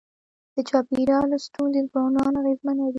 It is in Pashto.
د چاپېریال ستونزي ځوانان اغېزمنوي.